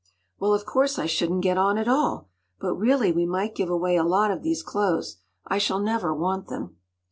“Well, of course, I shouldn’t get on at all. But really we might give away a lot of these clothes! I shall never want them.